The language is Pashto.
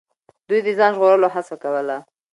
دوی د ځان ژغورلو هڅه کوله.